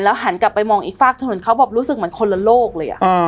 หันกลับไปมองอีกฝากถนนเขาแบบรู้สึกเหมือนคนละโลกเลย